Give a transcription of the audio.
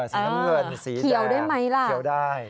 สีน้ำเงินสีเขียวได้ไหมล่ะเขียวได้